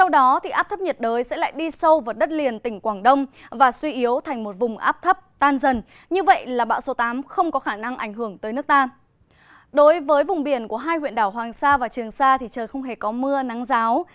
đối với vùng biển của hai huyện đảo hoàng sa và trường sa thì trời không hề có mưa nắng giáo